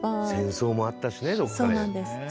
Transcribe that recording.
戦争もあったしね